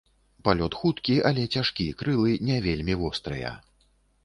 Палёт хуткі, але цяжкі, крылы не вельмі вострыя.